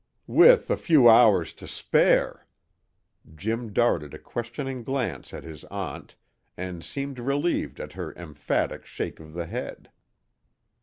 "With a few hours to spare." Jim darted a questioning glance at his aunt, and seemed relieved at her emphatic shake of the head.